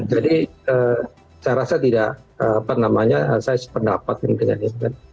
jadi saya rasa tidak apa namanya saya sependapat dengan itu kan